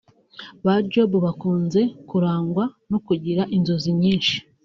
Ba Job bakunze kurangwa no kugira inzozi nyinshi